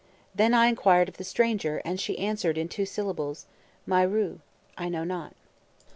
Then I inquired of the stranger, and she answered in two syllables, My ru ("I know not").